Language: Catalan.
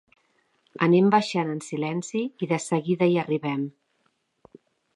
Anem baixant en silenci i de seguida hi arribem.